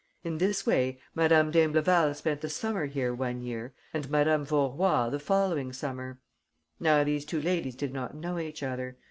In this way, Madame d'Imbleval spent the summer here one year and Madame Vaurois the following summer. Now these two ladies did not know each other.